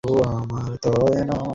হ্যাঁ, এই যে এখানে।